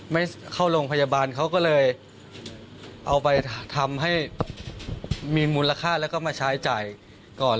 ไม่เข้าโรงพยาบาลเขาก็เลยเอาไปทำให้มีมูลค่าแล้วก็มาใช้จ่ายก่อน